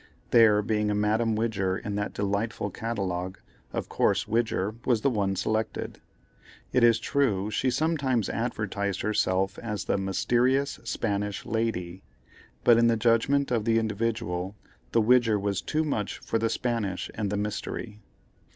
There being a Madame Widger in that delightful catalogue, of course Widger was the one selected. It is true, she sometimes advertised herself as the "Mysterious Spanish Lady," but in the judgment of the Individual, the Widger was too much for the Spanish and the mystery.